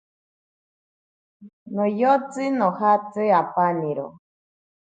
Noyotsi nojatsi apaniro.